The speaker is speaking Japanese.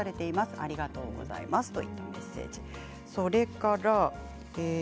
ありがとうございますといったメッセージです。